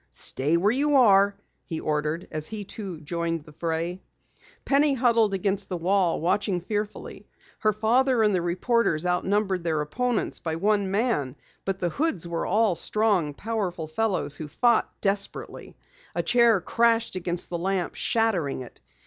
"Stay where you are!" he ordered as he too joined the fray. Penny huddled against the wall, watching fearfully. Her father and the reporters outnumbered their opponents by one man, but the Hoods were all strong, powerful fellows who fought desperately. A chair crashed against the lamp, shattering it.